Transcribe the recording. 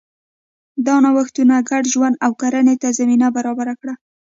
دا نوښتونه ګډ ژوند او کرنې ته زمینه برابره کړه.